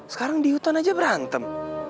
sekarang di hutan aja berantem